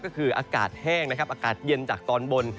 ก็คืออากาศแห้งนะครับอากาศเย็นจากตอนบน